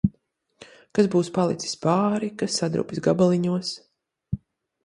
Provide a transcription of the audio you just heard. Kas būs palicis pāri, kas sadrupis gabaliņos.